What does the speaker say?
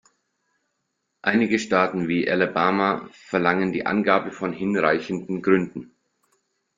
Einige Staaten wie Alabama verlangen die Angabe von hinreichenden Gründen.